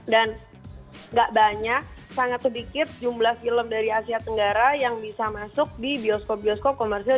dan gak banyak sangat sedikit jumlah film dari asia tenggara yang bisa masuk di bioskop bioskop komersil